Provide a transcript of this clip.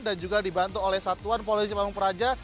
dan juga dibantu oleh satuan polisi bangung peraja